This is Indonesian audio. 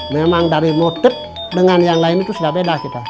memang dari motif dengan yang lain itu sudah beda kita